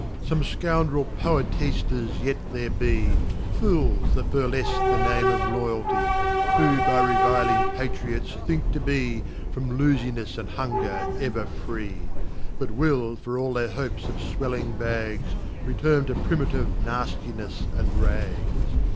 Some Scoundrel Poet after s yet there be Fools that Burtefque the name of Loyalty, Who by reviling Patriots, thin^to be From lou%inefs and hunger ever free : But will (fir all their hopes of fweUing bags) Return to Primitive naftinefs and rags.